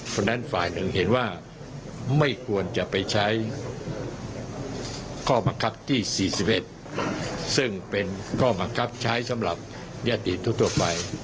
เพราะฉะนั้นฝ่ายหนึ่งเห็นว่าไม่ควรจะไปใช้ข้อบังคับที่๔๑ซึ่งเป็นข้อบังคับใช้สำหรับยติทั่วไป